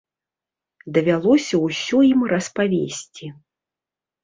Давялося ўсё ім распавесці.